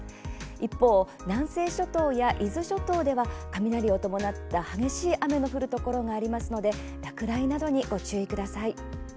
一方、南西諸島や伊豆諸島は雷を伴った激しい雨の降るところがありますので落雷などにご注意ください。